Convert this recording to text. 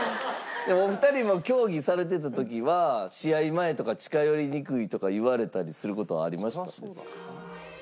でもお二人も競技されてた時は試合前とか近寄りにくいとか言われたりする事ありました？